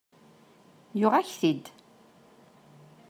Yuɣ-ak-t-id.